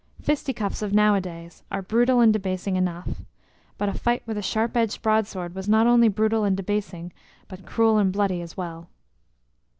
Fisticuffs of nowadays are brutal and debasing enough, but a fight with a sharp edged broadsword was not only brutal and debasing, but cruel and bloody as well.